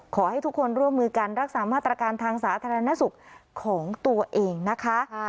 ขอให้ทุกคนร่วมมือกันรักษามาตรการทางสาธารณสุขของตัวเองนะคะ